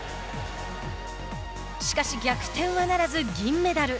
しかし、逆転はならず銀メダル。